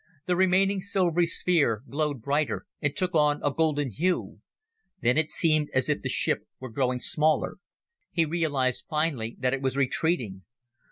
The remaining silvery sphere glowed brighter, and took on a golden hue. Then it seemed as if the ship were growing smaller. He realized finally that it was retreating.